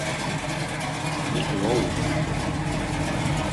Mutu va vutzvi xolo.